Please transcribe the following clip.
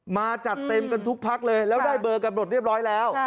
มาจัดเต็มกันทุกพักเลยแล้วได้เบอร์กันหมดเรียบร้อยแล้ว